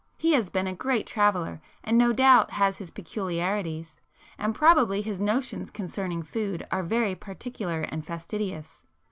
He has been a great traveller and no doubt has his peculiarities; and probably his notions concerning food are very particular and fastidious.